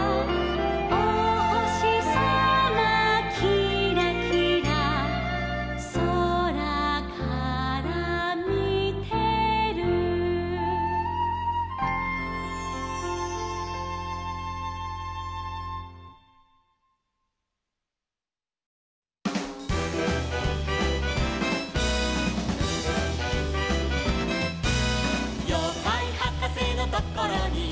「おほしさまきらきら」「そらからみてる」「ようかいはかせのところに」